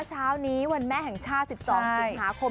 เช้านี้วันแม่แห่งชาติสิบสองสิบหาคม